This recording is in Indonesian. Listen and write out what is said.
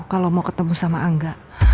kalau mau ketemu sama angga